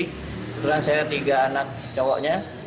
kebetulan saya tiga anak cowoknya